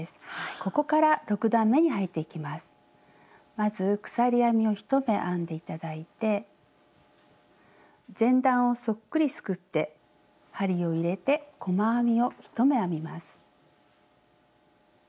まず鎖編みを１目編んで頂いて前段をそっくりすくって針を入れて細編みを１目編みます。